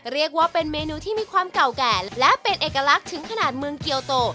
เรียกว่าเป็นเมนูที่มีความเก่าแก่และเป็นเอกลักษณ์ถึงขนาดเมืองเกียวโต